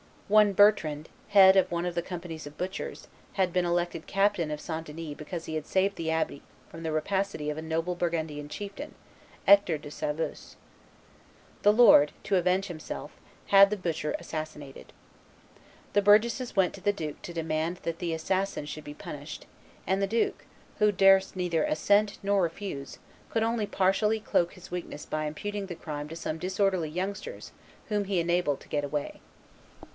One Bertrand, head of one of the companies of butchers, had been elected captain of St. Denis because he had saved the abbey from the rapacity of a noble Burgundian chieftain, Hector de Saveuse. The lord, to avenge himself, had the butcher assassinated. The burgesses went to the duke to demand that the assassin should be punished; and the duke, who durst neither assent nor refuse, could only partially cloak his weakness by imputing the crime to some disorderly youngsters whom he enabled to get away.